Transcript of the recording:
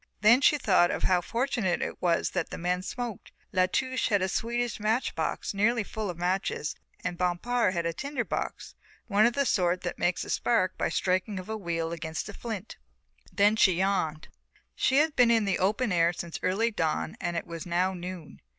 Then she thought how fortunate it was that men smoked. La Touche had a Swedish match box nearly full of matches and Bompard had a tinder box, one of the sort that makes a spark by the striking of a wheel against a flint. Then she yawned. She had been in the open air since early dawn and it was now noon.